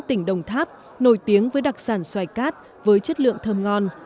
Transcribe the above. tỉnh đồng tháp nổi tiếng với đặc sản xoài cát với chất lượng thơm ngon